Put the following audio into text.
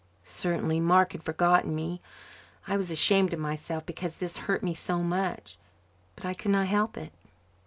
Certainly Mark had forgotten me. I was ashamed of myself because this hurt me so much, but I could not help it.